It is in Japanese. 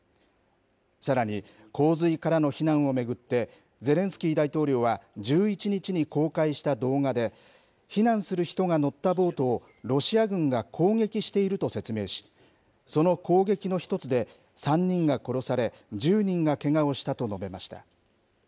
さらに、洪水からの避難を巡って、ゼレンスキー大統領は、１１日に公開した動画で、避難する人が乗ったボートをロシア軍が攻撃していると説明し、その攻撃の一つで、３人が殺され、１０人がけがをしたと述べました。